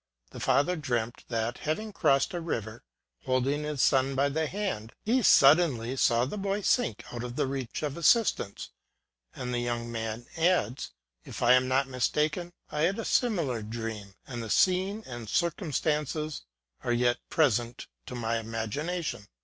The father dreamt that, having crossed a river, holding his son by the hand, he suddenly saw the boy sink out of the reach of assistance ; and the young man adds ŌĆö " If I am not mistaken, I had a similar dream, and the scene and circumstances are yet present to my imagination.